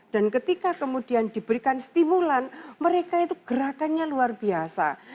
dan ketika kemudian diberikan stimulan mereka itu gerakannya luar biasa